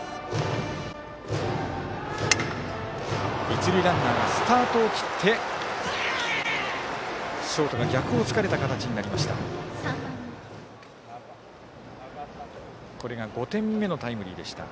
一塁ランナーがスタートを切ってショートが逆を突かれた形になりました。